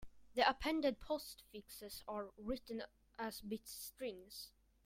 The appended postfixes are written as bit strings.